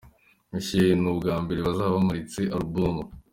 Michel, ni ubwa mbere bazaba bamuritse alubumu.